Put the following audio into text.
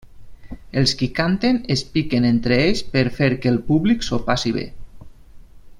Els qui canten es piquen entre ells per fer que el públic s'ho passi bé.